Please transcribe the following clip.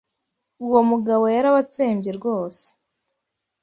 Uwo mugabo yarabatsembye rwose.